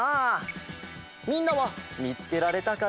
みんなはみつけられたかな？